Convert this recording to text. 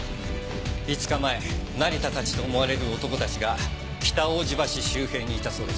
５日前成田たちと思われる男たちが北大路橋周辺にいたそうです。